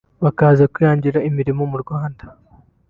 bakaza kwihangira imirimo mu Rwanda